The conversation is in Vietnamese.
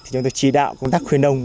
chúng tôi chỉ đạo công tác khuyên đông